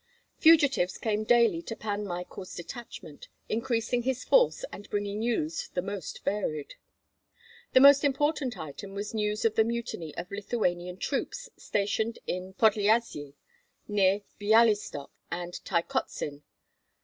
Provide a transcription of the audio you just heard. Fugitives came daily to Pan Michael's detachment, increasing his force and bringing news the most varied. The most important item was news of the mutiny of Lithuanian troops stationed in Podlyasye, near Byalystok and Tykotsin.